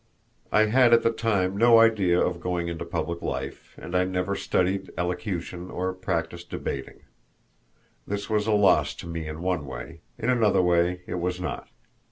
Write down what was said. I had at the time no idea of going into public life, and I never studied elocution or practiced debating. This was a loss to me in one way. In another way it was not.